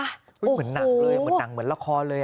เหมือนหนังเลยเหมือนหนังเหมือนละครเลย